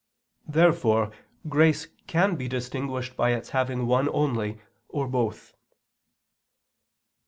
Therefore grace can be distinguished by its having one only or both.